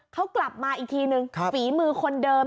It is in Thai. เขากลับมาอีกทีนึงฝีมือคนเดิม